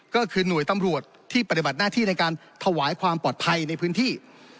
ก็คือหน่วยตำรวจที่ปฏิบัติหน้าที่ในการถวายความปลอดภัยในพื้นที่